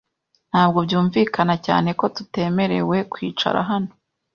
Ntabwo byumvikana cyane. ko tutemerewe kwicara hano .